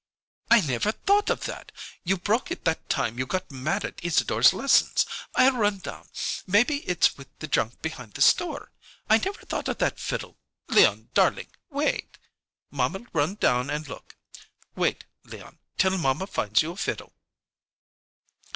"I never thought of that! You broke it that time you got mad at Isadore's lessons. I'll run down. Maybe it's with the junk behind the store. I never thought of that fiddle. Leon darlink wait! Mamma'll run down and look. Wait, Leon, till mamma finds you a fiddle."